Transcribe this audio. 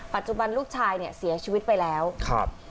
ปัจจุบันลูกชายเนี่ยเสียชีวิตไปแล้วครับ